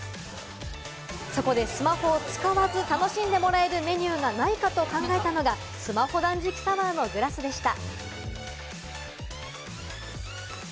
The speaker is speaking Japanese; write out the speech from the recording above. そこでスマホを使わず楽しんでもらえるメニューがないかと考えたのがスマホ断食サワーのグラスでした。